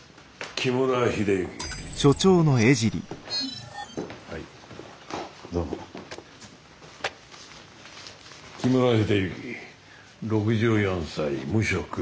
木村秀幸６４歳無職。